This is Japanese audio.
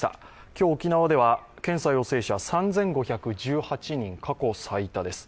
今日沖縄では検査陽性者３５１８人、過去最多です。